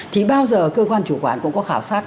thì bao giờ cơ quan chủ quản cũng có khảo sát